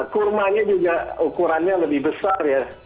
kurmanya juga ukurannya lebih besar ya